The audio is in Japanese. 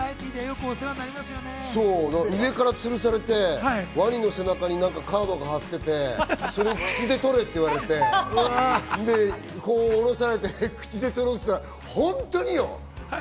ワニかな、ワニの背中にカードが貼ってあって、それを口で取れって言われて、下ろされて口で取ろうとしたら本当によ？